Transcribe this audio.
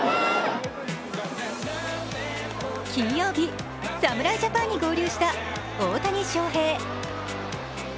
金曜日、侍ジャパンに合流した大谷選手。